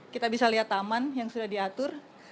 kita bisa lihat taman yang sudah diatur